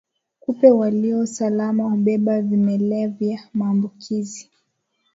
Kupe walio salama hubeba vimelea vya maambukizi